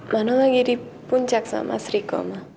mano lagi di puncak sama sri goma